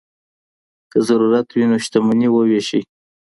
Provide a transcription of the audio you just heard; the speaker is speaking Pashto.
که ضرورت وي نو شتمني ووېشئ.